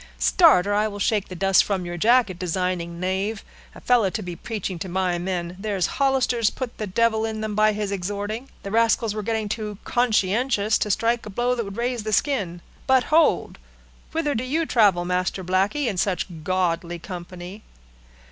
"Start, or I will shake the dust from your jacket, designing knave! A fellow to be preaching to my men! There's Hollister put the devil in them by his exhorting; the rascals were getting too conscientious to strike a blow that would raze the skin. But hold! Whither do you travel, Master Blackey, in such godly company?"